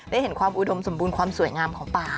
เห็นความอุดมสมบูรณ์ความสวยงามของป่า